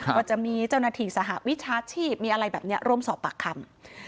ว่าจะมีเจ้าหน้าที่สหวิชาชีพมีอะไรแบบนี้ร่วมสอบปากคำ